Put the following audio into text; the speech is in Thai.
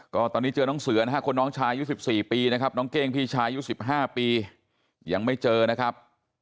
ก็ตอนนี้เจอน้องเสือนคนน้องชาย๑๔ปีน้องเก้งพี่ชาย๑๕ปียังไม่เจอนะครับ